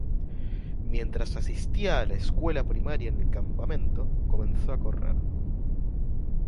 Mientras asistía a la escuela primaria en el campamento, comenzó a correr.